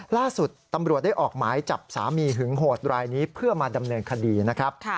ล่าสุดตำรวจได้ออกหมายจับสามีหึงโหดรายนี้เพื่อมาดำเนินคดีนะครับ